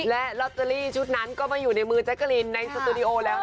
และลอตเตอรี่ชุดนั้นก็มาอยู่ในมือแจ๊กกะลินในสตูดิโอแล้ว